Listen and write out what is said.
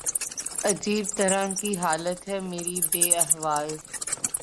عجیب طرح کی حالت ہے میری بے احوال